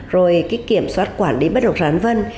rồi cái kiểm soát quản lý bất đồng sản vân